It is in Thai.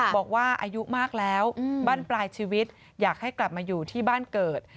บอกว่าอายุมากแล้วบ้านปลายชีวิตอยากให้กลับมาอยู่ที่บ้านเกิด